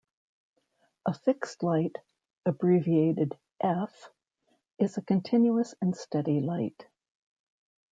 A fixed light, abbreviated "F", is a continuous and steady light.